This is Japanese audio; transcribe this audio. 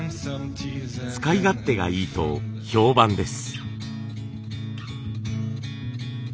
使い勝手がいいと評判です。